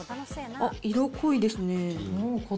あっ、色濃いですね。